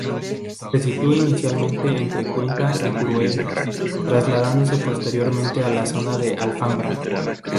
Se situó inicialmente entre Cuenca y Teruel, trasladándose posteriormente a la zona del Alfambra.